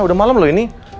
udah malam loh ini